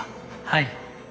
はい。